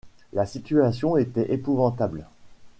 La situation était épouvantable.